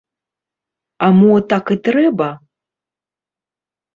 А мо так і трэба?